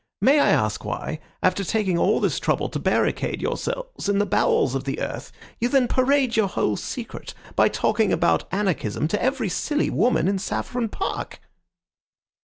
May I ask why, after taking all this trouble to barricade yourselves in the bowels of the earth, you then parade your whole secret by talking about anarchism to every silly woman in Saffron Park?"